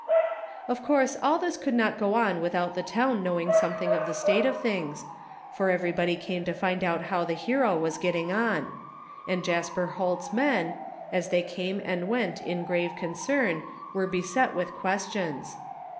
Of cotu se all this could not go on without the town knowing scxmething of the state of things, for every body came to find out how the hero was getting on; and Jasper Holt's men, as they came and went in grave concern were beset with questions.